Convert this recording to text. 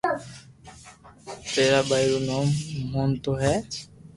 ڀارا بائي رو نوم موننو ھي